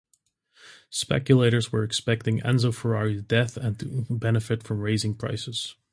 Speculators were expecting Enzo Ferrari's death and to benefit from raising prices.